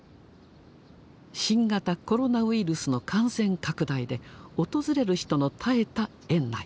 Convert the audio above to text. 新型コロナウイルスの感染拡大で訪れる人の絶えた園内。